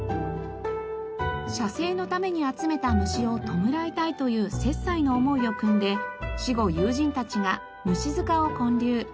写生のために集めた虫を弔いたいという雪斎の思いをくんで死後友人たちが虫塚を建立。